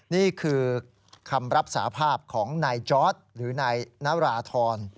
นี่คือคำรับสาภาพของนายจอร์ดหรือนายนาราธร